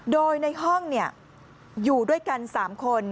โดยในห้องอยู่ด้วยกัน๓คน